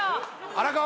荒川。